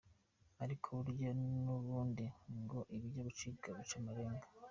Ariko burya n’ubundi ngo ibijya gucika bica amarenga.